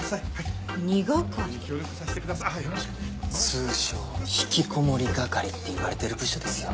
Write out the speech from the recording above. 通称ひきこもり係っていわれてる部署ですよ。